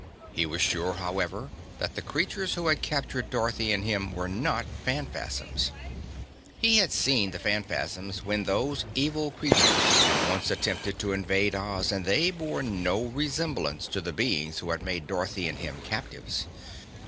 He was sure, however, that the creatures who had captured Dorothy and him were not Phanfasms. He had seen the Phanfasms when those evil creatures had once attempted to invade Oz, and they bore no resemblance to the beings who had made Dorothy and him captives.